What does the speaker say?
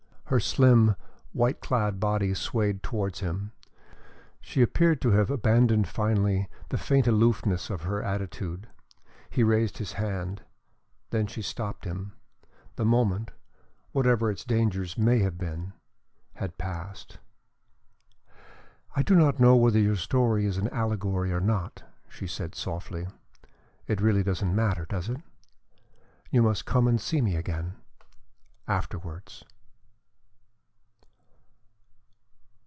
Her slim, white clad body swayed towards him. She appeared to have abandoned finally the faint aloofness of her attitude. He raised his hand. Then she stopped him. The moment, whatever its dangers may have been, had passed. "I do not know whether your story is an allegory or not," she said softly. "It really doesn't matter, does it? You must come and see me again afterwards."